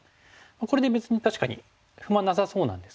これで別に確かに不満なさそうなんですけども。